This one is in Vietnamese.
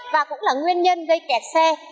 và cũng là nguyên nhân gây kẹt xe